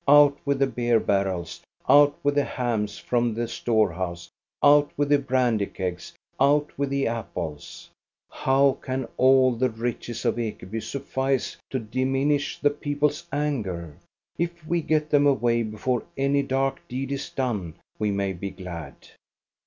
Out with the beer barrels, out with the hams from the storehouse, out with the brandy kegs, out with the apples ! How can all the riches of Ekeby suffice to diminish the people's anger.? If we get them away before any dark deed is done, we may be glad.